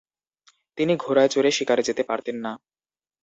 তিনি ঘোড়ায় চড়ে শিকারে যেতে পারতেন না।